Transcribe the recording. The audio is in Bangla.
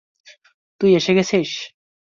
তুই এসে গেছিস।